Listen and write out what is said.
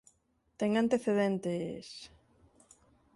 Ten antecedentes…